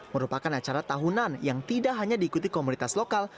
merupakan acara tahunan yang tidak hanya diikuti komunitas lokal